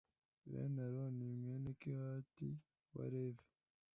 bene aroni, mwene kehati, wa levi